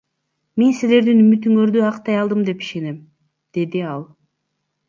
Мен силердин үмүтүңөрдү актай алдым деп ишенем, — деди ал.